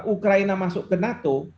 ukraina masuk ke nato